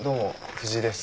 藤井です。